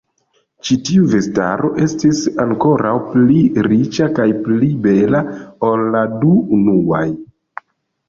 Ĉi tiu vestaro estis ankoraŭ pli riĉa kaj pli bela ol la du unuaj.